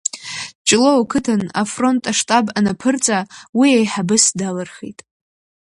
Ҷлоу ақыҭан афронт аштаб анаԥырҵа уи аиҳабыс далырхит.